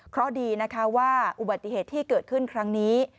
เพราะดีนะคะว่าอุบัติเหตุที่เกิดขึ้นครั้งนี้